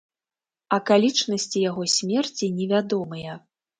Акалічнасці яго смерці невядомыя.